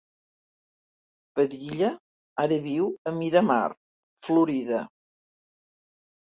Padilla ara viu a Miramar, Florida.